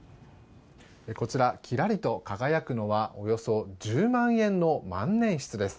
こちら、キラリと輝くのはおよそ１０万円の万年筆です。